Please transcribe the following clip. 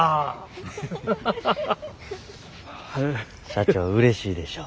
社長うれしいでしょ。